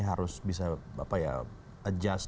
harus bisa adjust